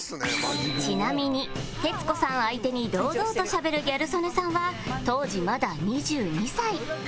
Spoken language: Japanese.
ちなみに徹子さん相手に堂々としゃべるギャル曽根さんは当時まだ２２歳